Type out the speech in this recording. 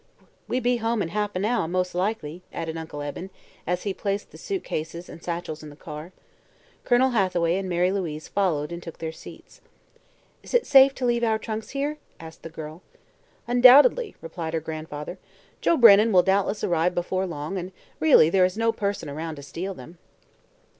"We be home in half'n hour, mos' likely," added Uncle Eben, as he placed the suit cases and satchels in the car. Colonel Hathaway and Mary Louise followed and took their seats. "Is it safe to leave our trunks here?" asked the girl. "Undoubtedly," replied her grandfather. "Joe Brennan will doubtless arrive before long and, really, there is no person around to steal them."